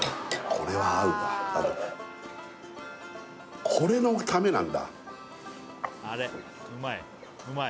これは合うわこれのためなんだ